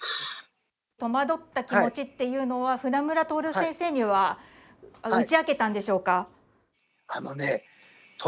戸惑った気持ちっていうのは船村徹先生には打ち明けたんでしょうか？